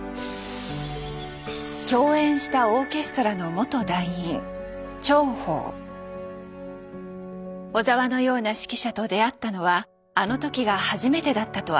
共演したオーケストラの元団員小澤のような指揮者と出会ったのはあの時が初めてだったと明かします。